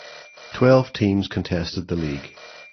Twelve teams contested the league.